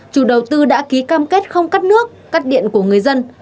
chủ đầu tư đã ký cam kết không cắt nước cắt điện của người dân